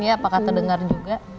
ya apakah terdengar juga